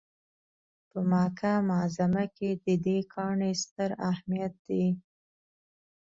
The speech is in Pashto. په مکه معظمه کې د دې کاڼي ستر اهمیت دی.